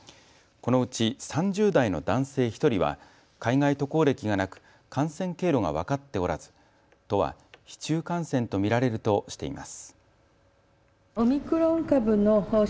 このうち３０代の男性１人は海外渡航歴がなく感染経路が分かっておらず都は市中感染と見られるとしています。